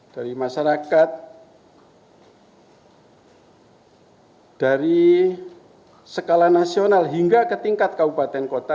dari masyarakat dari skala nasional hingga ke tingkat kabupaten kota